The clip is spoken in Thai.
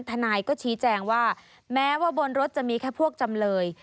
ทนายก็ชี้แจงว่าแม้ว่าบนรถจะมีแค่พวกจำเลย